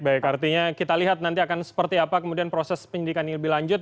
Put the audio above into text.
baik artinya kita lihat nanti akan seperti apa kemudian proses penyidikan ini lebih lanjut